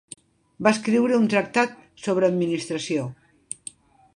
Va escriure un tractat sobre administració.